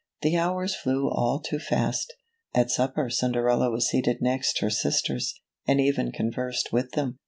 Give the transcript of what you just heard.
The hours flew all too fast. At supper Cinderella was seated next her sisters, and even conversed with them.